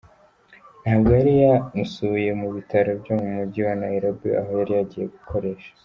nabwo yari yamusuye mu bitaro byo mu mujyi wa Nairobi aho yari yagiye gukoresha.